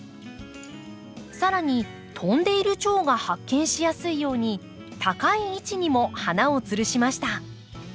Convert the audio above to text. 更に飛んでいるチョウが発見しやすいように高い位置にも花をつるしました。